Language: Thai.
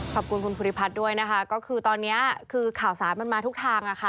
ขอบคุณคุณภูริพัฒน์ด้วยนะคะก็คือตอนนี้คือข่าวสารมันมาทุกทางค่ะ